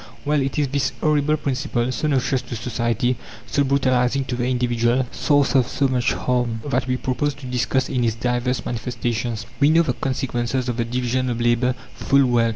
Well, it is this horrible principle, so noxious to society, so brutalizing to the individual, source of so much harm, that we propose to discuss in its divers manifestations. We know the consequences of the division of labour full well.